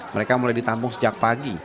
mereka mulai ditampung sejak pagi